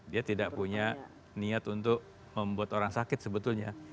dia tidak punya niat untuk membuat orang sakit sebetulnya